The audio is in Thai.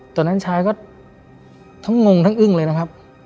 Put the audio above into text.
ตอนนั้นชายก็ทั้งงงทั้งอึ้งเลยนะครับ